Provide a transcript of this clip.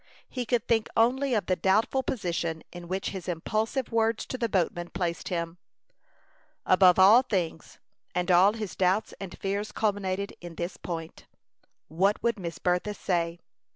He could think only of the doubtful position in which his impulsive words to the boatman placed him. Above all things, and all his doubts and fears culminated in this point, what would Miss Bertha say?